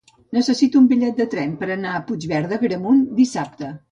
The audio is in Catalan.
Necessito un bitllet de tren per anar a Puigverd d'Agramunt dissabte.